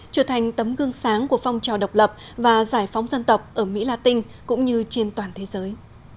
trở thành tấm gương sáng của phong trào độc lập và giải phóng dân tộc ở mỹ la tinh cũng như trên toàn thế giới